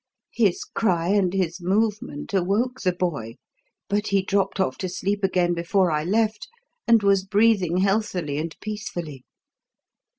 His cry and his movement awoke the boy, but he dropped off to sleep again before I left, and was breathing healthily and peacefully.